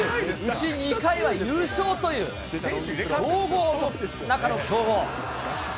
うち２回は優勝という、競合の中の強豪。